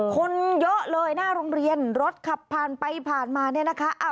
คนเยอะเลยหน้าโรงเรียนรถขับผ่านไปผ่านมา